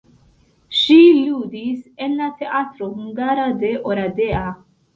Ŝi ludis en la teatro hungara de Oradea.